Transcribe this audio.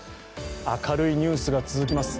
明るいニュースが続きます。